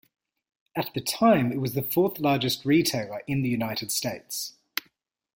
At the time it was the fourth largest retailer in the United States.